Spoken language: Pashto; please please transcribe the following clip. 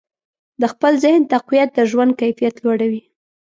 د خپل ذهن تقویت د ژوند کیفیت لوړوي.